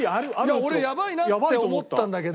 俺やばいなって思ったんだけど。